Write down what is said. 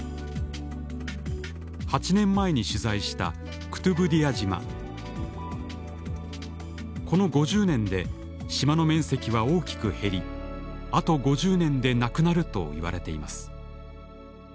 ８年前に取材したこの５０年で島の面積は大きく減りあと５０年でなくなるといわれています。